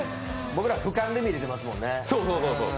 僕らふかんで見れてますもんね。